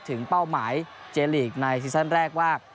เป้าหมายเจลีกในซีซั่นแรกว่า